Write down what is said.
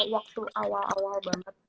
waktu awal awal banget